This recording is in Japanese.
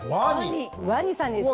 ワニさんです。